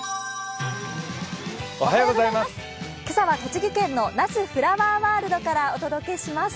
今朝は栃木県の那須フラワーワールドからお届けします。